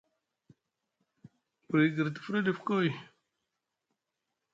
Buri gir te fuɗa ɗif kay,